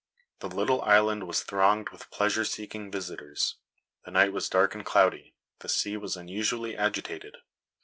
The little island was thronged with pleasure seeking visitors. The night was dark and cloudy; the sea was unusually agitated.